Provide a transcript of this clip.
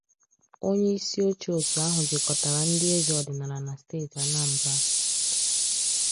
onyeisi oche òtù ahụ jikọtara ndị eze ọdịnala na steeti Anambra